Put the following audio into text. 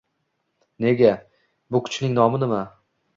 Nega? Bu kuchning nomi nima?”